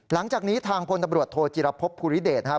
หลังจากนี้ทางพลตำรวจโทจิรพบภูริเดชนะครับ